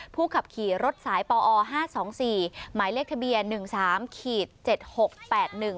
ผู้ขับขี่รถสายปอ๕๒๔หมายเลขทะเบียน๑๓๗๖๘๑